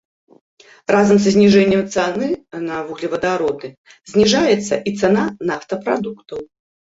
Разам са зніжэннем цаны на вуглевадароды зніжаецца і цана нафтапрадуктаў.